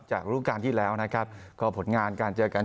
รูปการณ์ที่แล้วนะครับก็ผลงานการเจอกัน